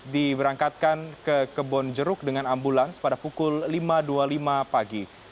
diberangkatkan ke kebonjeruk dengan ambulans pada pukul lima dua puluh lima pagi